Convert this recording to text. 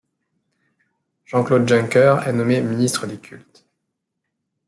Jean-Claude Juncker est nommé ministre des Cultes.